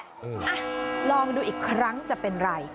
อ่ะลองดูอีกครั้งจะเป็นไร